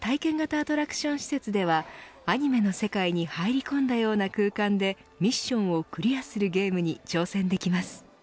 アトラクション施設ではアニメの世界に入り込んだような空間でミッションをクリアするゲームに挑戦できます。